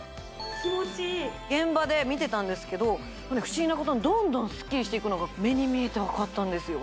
現場で見てたんですけど不思議なことにどんどんすっきりしていくのが目に見えて分かったんですよ